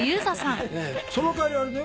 その代わりあれだよ